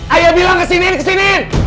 ayah bilang kesiniin kesiniin